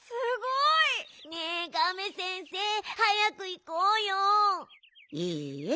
いいえ。